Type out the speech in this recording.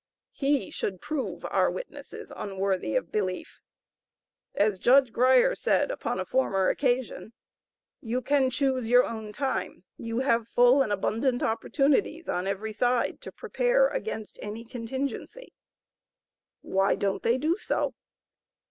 He should prove our witnesses unworthy of belief. As Judge Grier said, upon a former occasion, "You can choose your own time; you have full and abundant opportunities on every side to prepare against any contingency." Why don't they do so?